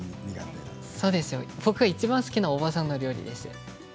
僕がいちばん好きなおばあさんの料理です。